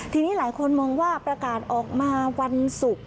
ทีนี้หลายคนมองว่าประกาศออกมาวันศุกร์